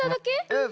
うん。